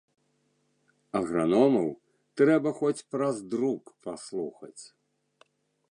Аграномаў трэба хоць праз друк паслухаць.